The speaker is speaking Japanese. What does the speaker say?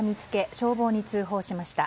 消防に通報しました。